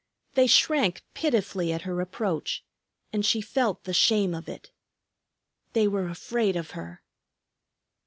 They shrank pitifully at her approach, and she felt the shame of it. They were afraid of her!